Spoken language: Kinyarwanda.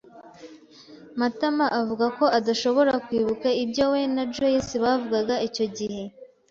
Matama avuga ko adashobora kwibuka ibyo we na Joyci bavugaga icyo gihe.